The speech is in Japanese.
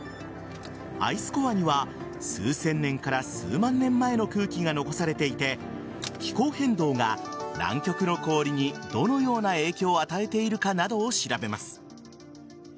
アイスコアには数千年から数万年前の空気が残されていて気候変動が南極の氷にどのような影響を与えているかなどを調べます。